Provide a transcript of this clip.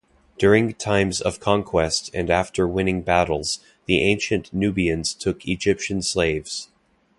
During times of conquest and after winning battles, the ancient Nubians took Egyptian slaves.